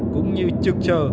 cũng như trực trờ